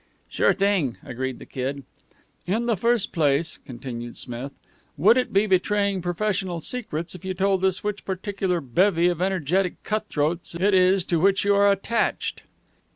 "Sure thing," agreed the Kid. "In the first place," continued Smith, "would it be betraying professional secrets if you told us which particular bevy of energetic cutthroats it is to which you are attached?"